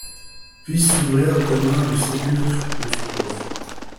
Puisse s’ouvrir demain le sépulcre où tu cours!